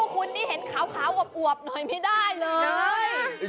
ขุนนี่เห็นขาวกว่าเปลี่ยนกันไม่ได้เลย